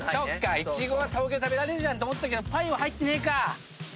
イチゴは東京で食べられるじゃんと思ったけどパイ入ってねえか。